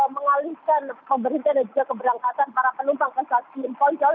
mengalihkan pemberhentian dan juga keberangkatan para penumpang ke stasiun poncol